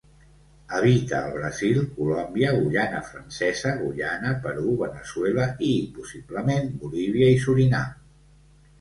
Habita al Brasil, Colòmbia, Guyana francesa, Guyana, Perú, Veneçuela i, possiblement, Bolívia i Surinam.